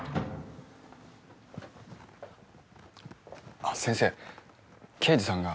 あ先生刑事さんが。